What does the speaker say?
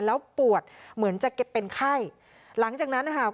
แล้วปวดเหมือนจะเป็นไข้หลังจากนั้นนะคะ